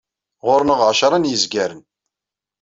Ɣur-neɣ ɛecra n yizgaren.